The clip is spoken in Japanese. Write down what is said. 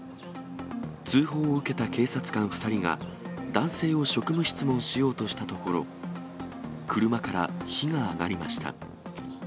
通報を受けた警察官２人が、男性を職務質問しようとしたところ、車から火が上がりました。